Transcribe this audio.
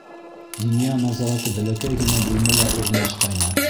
Диниә назараты бәләкәй генә бүлмәлә урынлашҡайны.